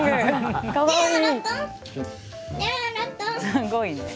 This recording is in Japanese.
すごいね。